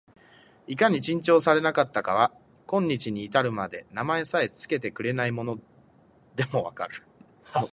いかに珍重されなかったかは、今日に至るまで名前さえつけてくれないのでも分かる